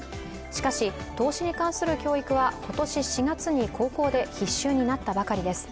しかし、投資に関する教育は今年４月に高校で必修になったばかりです。